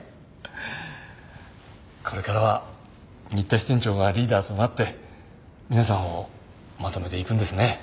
これからは新田支店長がリーダーとなって皆さんをまとめていくんですね。